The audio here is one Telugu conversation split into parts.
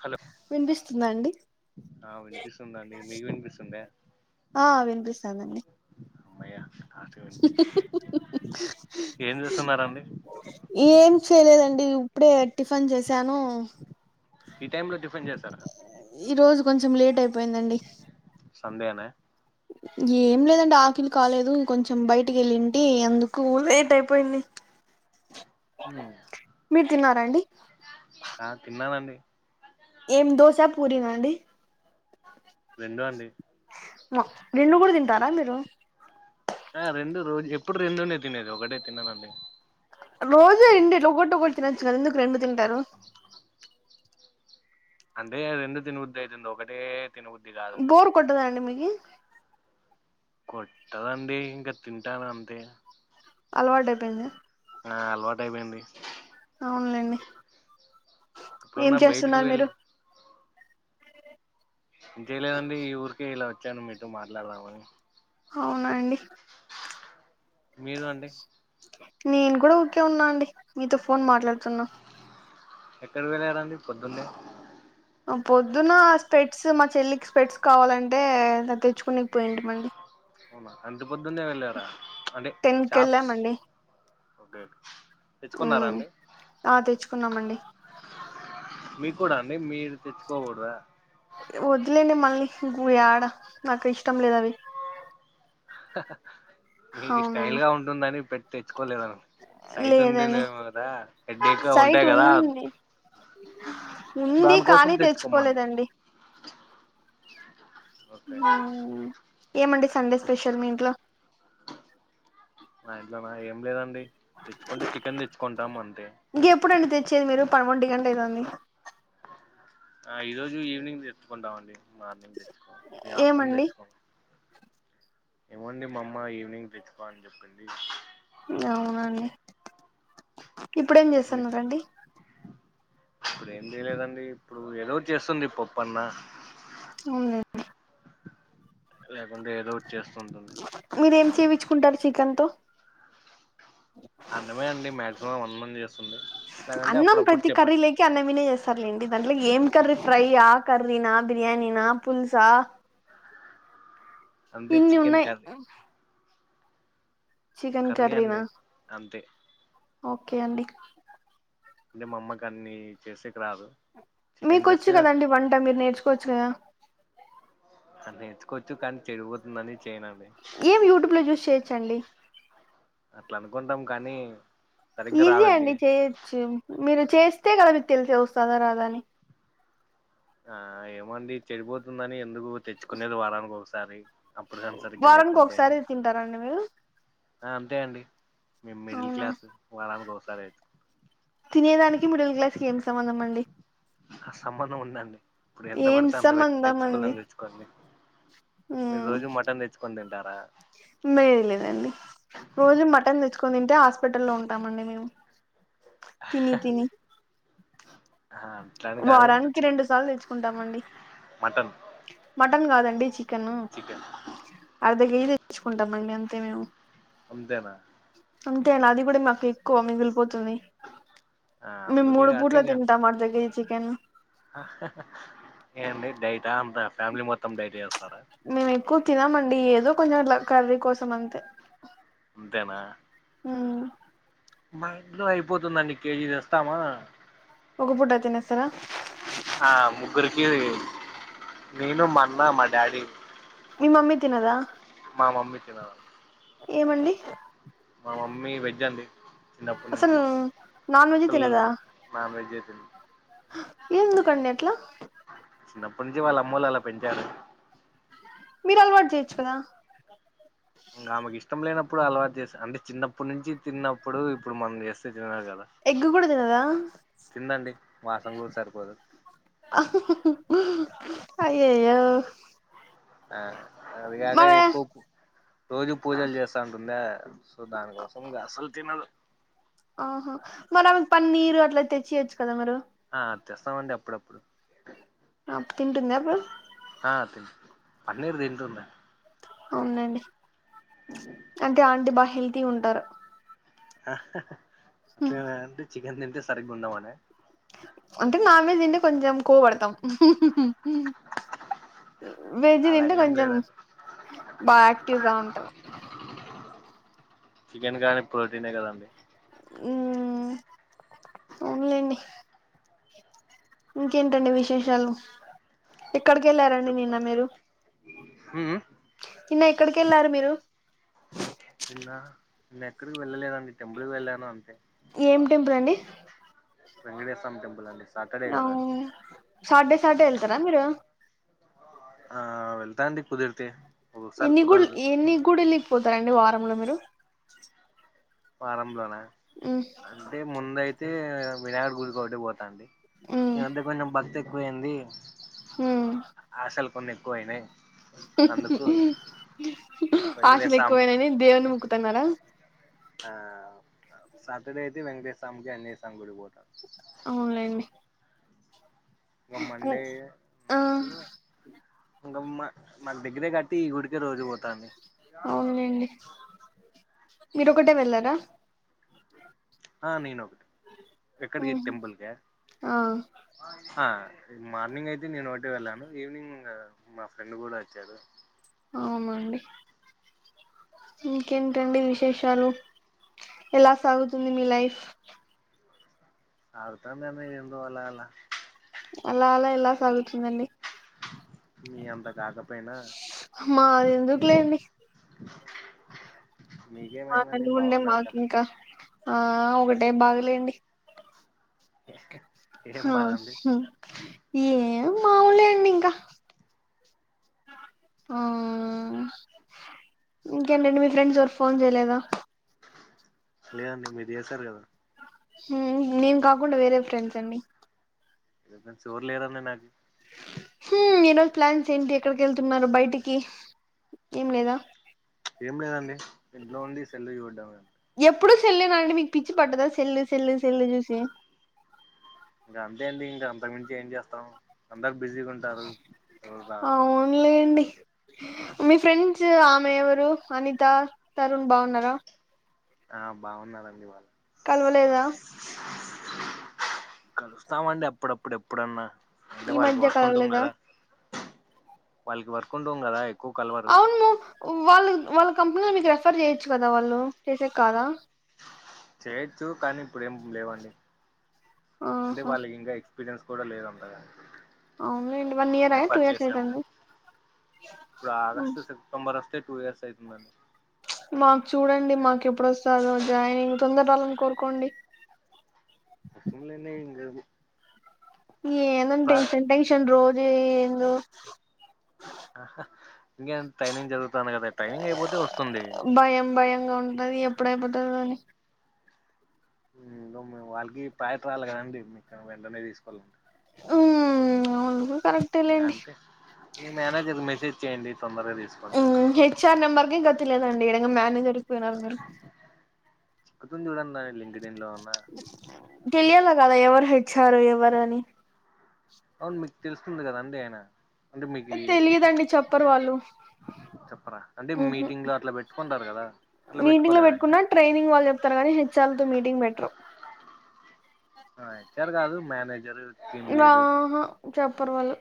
హలో వినిపిస్తుందా అండి ఆ వినిపిస్తుంది అండి మీకు వినిపిస్తుంధ్యా ఆ వినిపిస్తాందండి అమ్మయ్య లాస్ట్ కు వినిపించింది ఏం చేస్తున్నారండి ఏం చేయలేదండి ఉప్పుడే టిఫన్ చేసాను ఈ టైమ్ లో టిఫెన్ చేశారా ఈ రోజు కొంచెం లేట్ అయిపోయిందండి సండే అన్య ఏం లేదండి ఆఖలి కాలేదు కొంచెం బయటికి ఏలీన్ టి అందుకు లేట్ అయిపోయింది ఉ మీరు తిన్నారా అండి ఆ తిన్నానండి ఏం దోశ పూరీనా అండి రెండూ అండి మా రెండు గూడా తింటారా మీరు ఆ రెండు రోజు ఎప్పుడు రెండునే తినేది ఒకటే తిననండి రోజు రెండి ఎట్లా ఒకొటి ఒకటి తినచ్చు కదా ఎందుకు రెండు తింటారు అంటే రెండు తినబుద్ది అయితుంది ఒకటే తినబుద్ది కాదు కొట్టద అండి మీకి కొట్టదండి ఇంకా తింటాను అంతే అలవాటయిపోయిందిగ ఆ అలవాటయిపోయింది అవునులేండి ఏం ఇప్పుడున్న బయటికి చేస్తున్నారు వెళ్ళ మీరు ఇంకేం లేదండి ఈ ఊరికే ఇలా వచ్చాను మీతో మాట్లాడదామని అవునా అండి మీరు అండి నేను కూడ ఊకే ఉన్నా అండి మీతో ఫోన్ మాట్లాడుతున్నా ఎక్కడ వెళ్ళారండి పొద్దున్నే పొద్దున స్పెడ్స్ మా చెల్లికి స్పేడ్స్ కావాలంటే తెచ్చుకునేకి పోయింటిమండి అవునా అంత పొద్దున్నే వెళ్ళారా అంటే టెన్ షాప్స్ కెళ్ళామండి తెచ్చుకున్నారా మ్మ్ అండి ఆ తెచ్చుకున్నామండి మీ క్కుడా అండి మీరు తెచ్చుకోగూడదా వద్దులెండి మళ్ళీ గుయాడ నాకు ఇష్టం లేదు అవి మీకి స్టైల్ అవునండి గ ఉంటుందని పెట్ తెచ్చుకోలేదను సైట్ లేదండి ఉంటుందేమో కదా హెడ్డెక్ గ సైట్ ఉంటది కదా ఉంది ఉంది దానికోసం కానీ తెచ్చుకోమన్న తెచ్చుకోలేదండి ఓకే మ్మ్ ఏమండి సండే స్పెషల్ మీ ఇంట్లో మా ఇంట్లోనా ఏం లేదండి తెచ్చుకుంటే చికెన్ తెచ్చుకుంటాం అంతే ఇంగెప్పుడండి తెచ్చేది మీరు పన్ ఒంటిగంట అయితాంది ఆ ఈ రోజు ఈవినింగ్ తెచ్చుకుంటామండి మార్నింగ్ తెచ్చుకోం ఈ ఆఫ్టర్నూన్ ఏమండి దేచ్చుకోం ఏమండి మా అమ్మ ఈవినింగ్ తెచ్చుకో అని చెప్పింది అవునా అండి ఇప్పుడేం అందుకే చేస్తున్నరండి ఇప్పుడు ఏం చేయలేదండి ఇప్పుడు ఏదోకటి చేస్తుంది పప్పన్న అవునా లేకుంటే ఏదోకటి చేస్తుంటుంది మీరేం చేపిచ్చుకుంటారు చికెన్ తో అన్నమే అండి మాక్సిమం అన్నం చేస్తుంది లేదన్టే అప్పుడప్పుడు చపాతి కె అన్నమినే చేస్తారులేండి దాంట్లోకి ఏం కర్రీ ఫ్రై ఆ, కర్రీనా, బిర్యానీ నా, పుల్సా అంతే ఇన్ని చికెన్ ఉన్నాయి కర్రీ చికెన్ కర్రీ కర్రీనా అండి అంతే ఓకే అండి అంటే మా అమ్మ కన్ని చేసేకి రాదు చికెన్ మీకొచ్చు చేస్తే కదండి వంట మీరు నేర్చుకోవచ్చు కదా అ నేర్చుకోవచ్చు కానీ చెడిపోతుందని చేయనండి ఏం యూట్యూబ్లో జూస్ చేయొచ్చండి అట్ల అనుకుంటాం కనీ ఈజీ అండి చేయొచ్చు మీరు చేస్తే కదా మీకు తెలిసే వస్తదా రాదా అని ఆ ఏమో అండి చెడిపోతుందని ఎందుకు తెచ్చుకునేదె వారానికి ఒకసారి అప్పుడు గానీ సరిగ్గా లేకుంటేనే తింటరాండి మీరు ఆ అంతే అండి మేము మిడిల్ అవునా క్లాస్ వారానికి ఒకసారే అయితద్ తినేదానికి మిడిల్ క్లాస్ కి ఏం సంబంధం అండి అ సంబంధం ఉందండి ప్పుడు ఎంత ఏం పడితే అంత పెట్ సంబంధం అండి తెచ్చుకున్నం తెచ్చుకోండి మీరు రోజు మటన్ తెచ్చుకొని తింటారా మేయ లేదండి రోజు మటన్ తెచ్చుకని తింటే హాస్పిటల్లో ఉంటామ అండి మేము తిని తిని ఆ వారానికి రెండు సార్లు తెచ్చుకుంటామండి మటన్ మటన్ కాదండి చికెన్ చికెన్ అర్ధ కేజీ తెచ్చుకుంటామండి అంతే మేము అంతేనా అంతే అండి అది కూడా మాకు ఎక్కువ మిగిలిపోతది ఆ మేము అందుకే మూడు పూట్ల తింటాం అర్ధ కేజీ చికెన్ ఏండీ డైటా అంత ఫ్యామిలీ మొత్తం డైట్ చేస్తారా మేము ఎక్కువ తినమండి ఏదో అట్లా కొంచెం కర్రీ కోసం అంతే అంతేనా మ్ మా ఇంట్లో అయిపోతుందండి కేజీ తెస్తామా ఒక పూట తినేస్తారా ఆ ముగ్గురికి నేను మా అన్న మా డాడీ మీ మమ్మీ తినదా మా మమ్మీ తిన ఏమండి మా మమ్మీ వెజ్ అండి చిన్నప్పటి నుంచి అసలు నాన్ వెజ్ అసలు తినదా నాన్వేజ్ తినదు ఎందుకండి అట్లా చిన్నప్పటి నుంచి వాళ్ళ అమ్మోళ్లు అలా పెంచారు మీరు అలవాటు చేయొచ్చు కదా ఇంకా ఆమెకి ఇష్టం లేనప్పుడు అలవాటూ చేస్తా అంటే చిన్నప్పుడు నుంచి తిన్నప్పుడు ఇప్పుడు మనం చేస్తే తిన్నారు కదా ఎగ్ కూడా తినదా తిందండి మాసంగూరు సరిపోదు అయ్యయ్యో ఆ అది కాక మరి ఎక్కువ రోజు పూజలు చేస్తా ఉంటుందా సో దానికోసం అస్సలు తినదు ఆహా మరి ఆమెకి పన్నీరు అట్లా తెచ్చియొచ్చు కదా మీరు ఆ తెస్తాం అండి అప్పుడప్పుడు అప్పుడు తింటుంది అప్పుడు ఆ తింటుంది పన్నీరు తింటుంది అవునండి అంటే ఆంటీ బా హెల్తీ ఉంటారు అంటే అట్లేనా చికెన్ తింటే సరిగ్గా ఉండం అన అంటే నాన్ వెజ్ తింటే కొంచెం కొవ్వు పడతాం వెజ్ అలా తింటే ఏం కొంచెం లేదండి బా ఆక్టివ్ గా ఉంటాం చికెన్ కానీ ప్రోటీనే కదండి ఉమ్ కానిలెండీ ఇంకేంటండి విశేషాలు ఎక్కడికి వెళ్ళారండి నిన్న మీరు హ నిన్న ఎక్కడికి వెళ్ళారు మీరు నిన్న నిన్న ఎక్కడికి వెళ్ళలేదండి టెంపుల్ కి వెళ్ళాను అంతే ఏం టెంపుల్ అండి వెంకటేశ స్వామి టెంపుల్ అండి సాటర్డే కదా అవును సాటర్డే సార్డే వెళ్తారా మీరు ఆ వెళ్తా అండి కుదిర్తే ఎన్ని గుళ్ళు ఎన్ని గుడులుకి పోతారండి వారంలో మీరు వారంలోనా ఉ అంటే ముందయితే వినాయడు గుడికి ఒకటి పోతాండి ఈ ఉమ్ మద్య కొంచెం భక్తి ఎక్కువయింది ఉమ్ ఆశలు కొన్ని ఎక్కువ అయినాయి వెంకటేశ ఆశలు స్వామి ఎక్కువైనాని దేవుని మొక్కుతున్నారా ఆ సాటర్డే అయితే వెంకటేశ స్వామికి ఆంజనేయస్వామి గుడి పోతా అవునులేండి ఇంకా మండే ఆ ఇంకా మా మాకు డిగరీ కట్టి ఈ గుడికి రోజు పోతాంది అవునండి మీరు ఒకటే వెళ్ళారా ఆ నేను ఒకటి ఎక్కడికి టెంపుల్క ఆ ఆ మార్నింగ్ అయితే నేను ఒకటి వెళ్ళాను ఈవినింగ్ మా ఫ్రెండ్ కూడా వచ్చారు అవునండి ఇంకేంటండి విశేషాలు ఎలా సాగుతుంది మీ లైఫ్ అర్తంద అన్న ఏందు అల అల అలా అలా ఎలా సాగుతుందండి మీ అంత కాకపోయినా మాది ఎందుకులేండి మీకేమైందండి అనిగుండే బాగున్నారు మాకు కదా ఇంకా ఆ ఒకటే బాగలేండి ఇష్ ఆ ఏం మాములే అండి ఇంకా ఆ ఇంకేంటండి మీ ఫ్రెండ్స్ ఎవరూ ఫోన్ చేయలేదా లేదండి మీరు చేశారు కదా నేను కాకుండా వేరే ఫ్రెండ్స్ అండీ ఫ్రెండ్స్ ఎవరు లేరండి నాకు హ ఈ రోజు ప్లాన్స్ ఏంటి ఎక్కడికి వెళ్తున్నారు బయటికి ఏం లేదా ఏం లేదండి ఇంట్లో ఉండి సెల్ చూడమే ఎప్పుడు సేల్ నా అండి మీకు పిచ్చి పట్టదా సేల్లు సేల్లు చూసి ఇంకా అంతే అండి ఇంకా అంతకు మించి ఏం చేస్తాం అందరు బిజీగా ఉంటారు ఎవరు రారు లేనండి మీ ఫ్రెండ్స్ ఆమె ఎవరు అనిత తరుణ్ బాగున్నారా ఆ బాగున్నారండి వాళ్ళు కలవలేదా కలుస్తామండి అప్పుడప్పుడు ఎప్పుడన్నా అంటే ఈ వాళ్ళకి మధ్య వర్క్ ఉంటాం కలవలేదా కదా వాళ్ళకి వర్క్ ఉంటాం కదా ఎక్కువ కలవరు అవును వాళ్ళ వాళ్ళ కంపెనీలో మీకు రెఫర్ చేయొచ్చు కదా వాళ్ళు చేసేకి కాదా చేయొచ్చు కానీ ఇప్పుడ ఏం లేవండి అంటే ఆహా వాళ్ళకి ఇంకా ఎక్స్పీరియన్స్ కూడా లేదు అంతగా అవునులేండి one year two refer years చేసాం అయితుంది మేం ఇప్పుడు హ్మ్. ఆగస్టు సమ్మర్ అస్తే టూ ఇయర్స్ అవుతుందండి మాకు చూడండి మాకు ఎప్పుడొస్తాదో జాయినింగ్ తొందరాలని కోరుకోండి వస్తుంది లెండి ఇంగు ఏందో టెన్షన్ టెన్షన్ రోజు ఏందో ఇంకే ట్రైనింగ్ జరుగుతోంది కదా ట్రైనింగ్ అయిపోతే వస్తుంది. భయం భయంగా ఉంటంది ఎప్పుడు అయిపోతాదో అని వాళ్ళకి ప్రాయట రావాలి కదండి మీ వెంటనే తీసుకోవాలండి ఉమ్ అవును కరెక్ట్ అంటే మేనేజర్ కి మెసేజ్ చేయండి తొందరగా తీసుకోండి హెచ్ ఆర్ నెంబర్కే గతి లేదండి ఈడ ఇంగా మేనేజర్కి పోయినరు మీరు అదం చూడాలి రా లింక్ నిండా వున్నా తెలియాల్లి కదా ఎవరు హెచ్ ఆర్ ఎవరు అని అవును మీకు తెలుస్తుంది కదా అండి ఆయన అంటే మీకు తెలియదండి చెప్పరు వాళ్ళు చెప్పరా అంటే ఉహు మీటింగ్ లో అట్లా పెట్టుకుంటారు కదా అట్లా మీటింగ్ లో పెట్టుకోలేదా ఇంకా పెట్టుకున్నా ట్రైనింగ్ వాళ్ళు చెప్తారు కానీ హెచ్ఆర్ తో మీటింగ్ పెట్టరు. హెచ్ ఆర్ కాదు మేనేజరు టీమ్ లీడు ఆహా చెప్పరు వాళ్ళు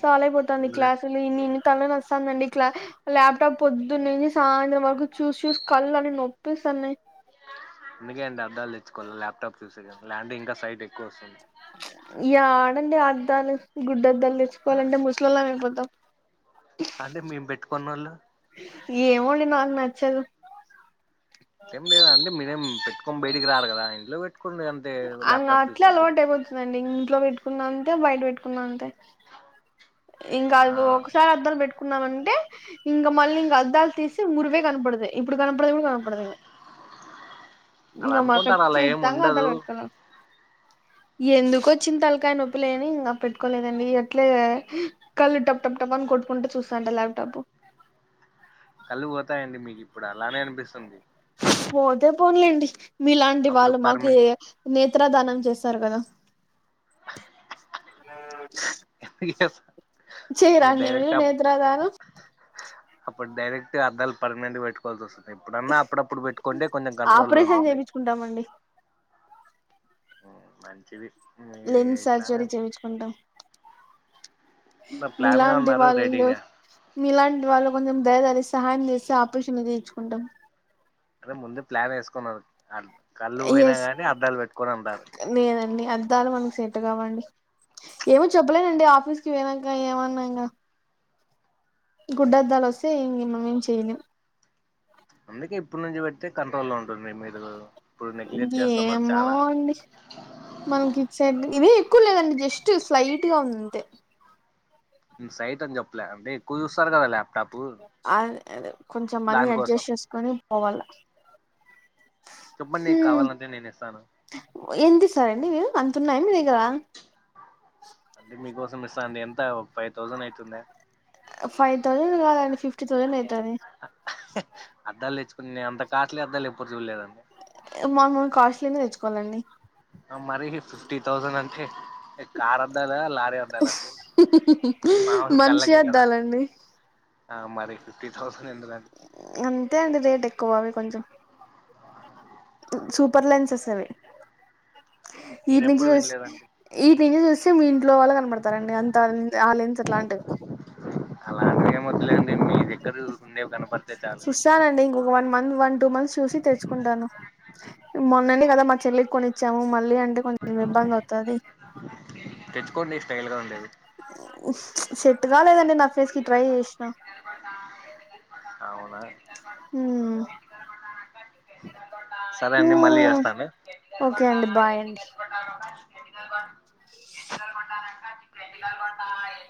చాల అయిపోతుంది అవునులే క్లాసు ఇన్ ఇన్ తల నొస్తోందండి క్లాస్ ల్యాప్టాప్ పొద్దు నుంచి సాయంత్రం వరకు చూసి చూసి కళ్ళని నొప్పి వస్తున్నాయి అందుకే అండి అర్థాలు తెచ్చుకోవాల ల్యాప్టాప్ చూసేకీ లేకుంటే ఇంకా సైట్ ఎక్కువ వస్తుంది. ఇ ఆడండి అద్దాలు గుడ్డద్దాలు తెచ్చుకోవాలంటే ముసలోళం అయిపోతాం అంటే మేము పెట్టుకున్న వాళ్ళు ఏమో అండి నాకు నచ్చదు ఏం లేదా అండి మీరేం పెట్టుకొని బయటికి రారు కదా ఇంట్లో పెట్టుకోండి అంతే ల్యాప్టాప్ చూసే టాప్పుడు అండి ఇంట్లో పెట్టుకున్న అంతే బయట పెట్టుకున్న అంతే ఇంకా ఆ లో ఒకసారి అద్దలు పెట్టు కున్నామ అంటే ఇంకా మళ్ళీ అద్దాలు తీసి మురివే కనపడది ఇప్పుడు కనపడేది కనపడదు ఇంగ అలా అనుకుంటాను అలా ఏం ఖచ్చితంగా ఉండదు. ఎందుకోచ్చినా తలకాయ నొప్పిలే అనీ ఇంకా పెట్టుకోలేదండి ఆట్లే కళ్లు టప్ టప్ టపా అని కొట్కుంట చూస్తాంటా ల్యాప్టాప్ కళ్ళు పోతాయండి మీకు ఇప్పుడు అలానే అనిపిస్తుంది పోతే పోన్లేండి మీలాంటి అప్పుడు వాళ్ళు మాకు పర్మనెంట్ నేత్రదానం చేస్తారు కదా మ [unintelligible] పి ఎస్ ఆ మీ డైరెక్ట మీరు ఆప్ నేత్రదానం అప్పుడు డైరెక్ట్ అద్దాలు పర్మినెంట్ పెట్టు కోవాల్సి వస్తుంది ఎప్పుడన్నా అప్పుడప్పుడు పెట్టుకుంటే కొంచెం కంట్రోల్లో ఉంటుంది. ఉంటామండి మంచిది మీది ఇట్లానే అనుకు ఉంటాం ప్లాన్ గా మీలాంటి ఉన్నారు వాళ్ళు రెడీగా మీ ఇలాంటి వాళ్లు కొంచెం దయదలీచీ సహాయం చేస్తే ఆపరేషన్లు చేయించుకుంటాం అదే ముందు ప్లాన్ వేసుకున్నారు కళ్ళు పోయినా ఎస్ కానీ అద్దాలు పెట్టుకొను అంటారు లేదండి అద్దాలు మనకి సెట్టు కావండి. ఏమో చెప్పలేనండి ఆఫీస్ కి పోయినాక ఏమన్నా ఇక గుడ్డద్దాలు వస్తే ఇంకా ఏం చేయ్యలేం అందుకే ఇప్పుడు నుంచి పెడితే కంట్రోల్లో ఉంటుంది మీరు ఇప్పుడు నెగ్లెక్ట్ చేస్తున్నారు ఏమో చాలా అండి మనకి ఇచ్చేడ్ ఇవి ఎక్కువ లేదండి జస్ట్ స్లైట్ గా ఉంది అంతే ఉమ్ సైట్ అని చెప్పలే అంటే ఎక్కువ చూస్తారు కదా లాప్ అయ్ [inaudible] కొంచెం మనీ దానికోసం అడ్జస్ట్ చేసుకొని పోవాల చెప్పండి కావాలంటే నేను ఇస్తాను ఎంతిస్తారండి మీరు అంతున్నాయా అండి మీ దగ్గర అంటే మీకోసం ఇస్తా అండి ఎంత ఒక ఫైవ్ థౌసన్ ఐతుందా ఫైవ్ థౌజండ్ కాదండి ఫిఫ్టీ థౌజండ్ అయితాది అద్దాలు తెచ్చుకున్నే అంత కాస్ట్లీ అద్దాలు ఎప్పుడూ చూడలేదండి మామూలు కాస్ట్లీనే తెచ్చుకోవాలండి ఆ మరీ ఫిఫ్టీ థౌసన్ అంటే కార్ అద్దాలా లారీ అద్దాలా అండి మాముూలు మనిషి కళ్ళకే కదా అద్దాలండి ఆ మరి ఫిఫ్టీ థౌసన్ ఎందుకని అంతే అండి రేట్ ఎక్కువ అవి కొంచెం సూపర్ లెన్సెస్ అవి నేను ఈటి నుంచి ఎప్పుడు తెచ్ వినలేదండి ఈటి నుంచి చూస్తే మీ ఇంట్లో వాళ్ళ కనపడతారండి అంత అం ఆ లెన్స్ అట్లాంటి అలాంటివి ఏం వదులేండి మీ దగ్గర ఉండేవి కనపడితే చాలు తానండి ఇంకొక one month one two months చూసి తెచ్చుకుంటాను మున్ననే కదా మా చెల్లికి కొనిచ్చాము మళ్ళీ అంటే కొంచెం ఇబ్బంది అవుతాది తెచ్చుకోండి స్టైల్ గా ఉండేది ఉఫ్ సట్టు కాలేదండి నా ఫేస్ కి ట్రై చేసినా అవునా హ్మ్ సరే అండి మళ్ళీ హ్మ్ చేస్తా అండి ల్ కొ ఓకే అండి బాయ్ అండి కటికల్ కొంటాంట క్రెకల్ కొంటా [unintelligible]